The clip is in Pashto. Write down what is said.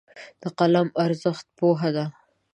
د قلم ارزښت پوهه ده.